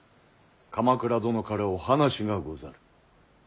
鎌倉殿からお話がござる。